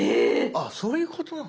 あっそういうことなの。